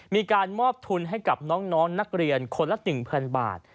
มีการมอบทุนให้กับน้องนักเรียนคนละ๑๐๐๐บาท